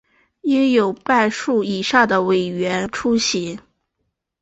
应有半数以上委员出席